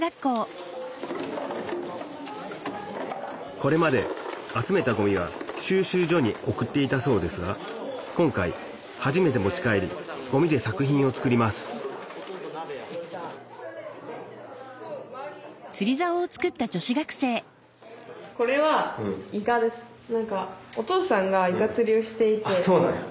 これまで集めたごみは収集所に送っていたそうですが今回初めて持ち帰りごみで作品を作りますあっそうなんや。